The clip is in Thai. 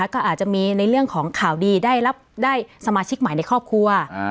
ก็อาจจะมีในเรื่องของข่าวดีได้สมาชิกใหม่ในครอบครัว